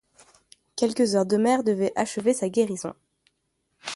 Quelques heures de mer devaient achever sa guérison.